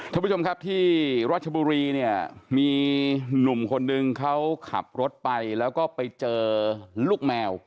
ท่านผู้ชมครับที่รัชบุรีเนี่ยมีหนุ่มคนนึงเขาขับรถไปแล้วก็ไปเจอลูกแมว